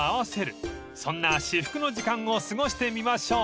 ［そんな至福の時間を過ごしてみましょう］